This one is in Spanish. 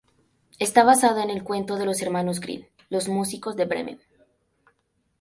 Está basada en el cuento de los hermanos Grimm "Los músicos de Bremen".